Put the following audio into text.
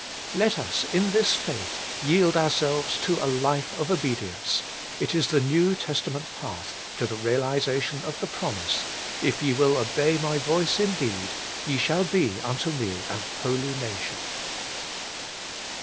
Let us in this faith yield ourselves to a life of obedience : it is the New Testament path to the realization of the promise :' If ye will obey my voice indeed, ye shall be unto me an holy nation.'